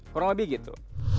kurang lebih gitu